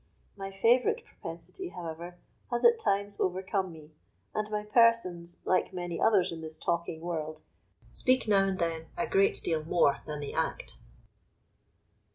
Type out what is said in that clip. My favourite propensity, however, has at times overcome me, and my persons, like many others in this talking world, speak now and then a great deal more than they act.